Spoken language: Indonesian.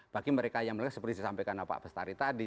bagi mereka yang mereka seperti disampaikan pak bestari tadi